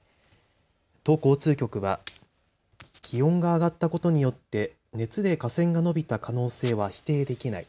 都交通局は気温が上がったことによって熱で架線が伸びた可能性は否定できない。